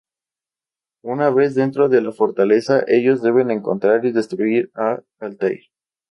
Una vez dentro de la fortaleza, ellos deben encontrar y destruir a Altair.